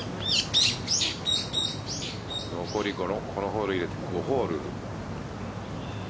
残り、このホール入れて５ホール。